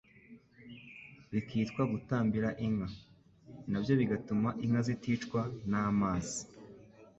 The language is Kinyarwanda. bikitwa gutambira inka, nabyo bigatuma inka ziticwa n’amazi